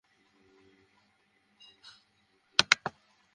তাছাড়া বর্ণনাকারী হাদীসের বক্তব্য সুষ্ঠুভাবে মুখস্থ রাখতে না পারার সম্ভাবনাও রয়েছে।